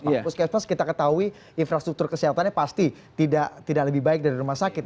puskesmas kita ketahui infrastruktur kesehatannya pasti tidak lebih baik dari rumah sakit